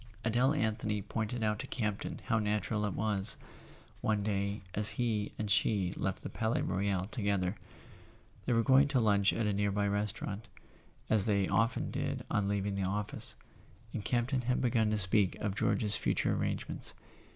Adele Anthony pointed out to Campton how natural it was, one day as he and she left the Palais Royal together. They were going to lunch at a near by restau¬ rant, as they often did on leaving the office, and Camp¬ ton had begun to speak of George's future arrange¬ ments.